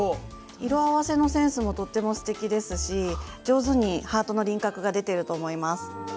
色合わせのセンスもとってもすてきですし上手にハートの輪郭が出てると思います。